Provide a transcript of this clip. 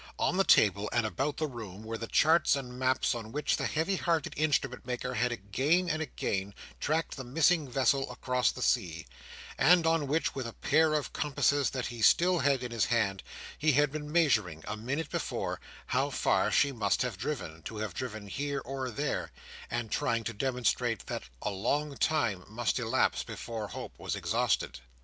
On the table, and about the room, were the charts and maps on which the heavy hearted Instrument maker had again and again tracked the missing vessel across the sea, and on which, with a pair of compasses that he still had in his hand, he had been measuring, a minute before, how far she must have driven, to have driven here or there: and trying to demonstrate that a long time must elapse before hope was exhausted.